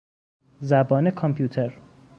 زبان کامپیوتر